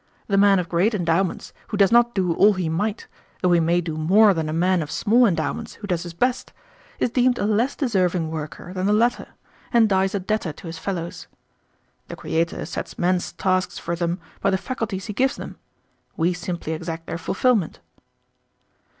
The man of great endowments who does not do all he might, though he may do more than a man of small endowments who does his best, is deemed a less deserving worker than the latter, and dies a debtor to his fellows. The Creator sets men's tasks for them by the faculties he gives them; we simply exact their fulfillment."